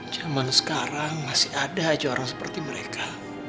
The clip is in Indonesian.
zaman sekarang masih ada aja orang seperti mereka